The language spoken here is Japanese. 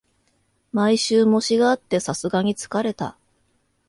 毎週、模試があってさすがに疲れた